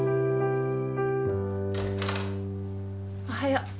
おはよう。